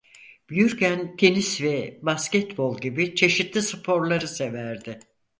Büyürken tenis ve basketbol gibi çeşitli sporları severdi.